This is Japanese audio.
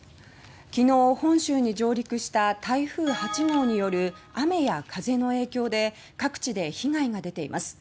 昨日、本州に上陸した台風８号による雨や風の影響で各地で被害が出ています。